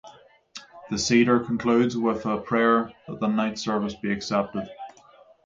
The Seder concludes with a prayer that the night's service be accepted.